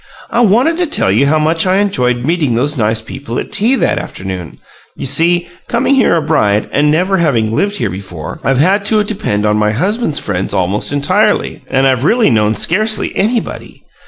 I wanted to tell you how much I enjoyed meeting those nice people at tea that afternoon. You see, coming here a bride and never having lived here before, I've had to depend on my husband's friends almost entirely, and I really've known scarcely anybody.